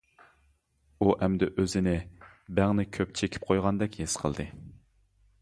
ئۇ ئەمدى ئۆزىنى بەڭنى كۆپ چېكىپ قويغاندەك ھېس قىلدى.